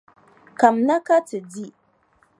Kamina ka ti di.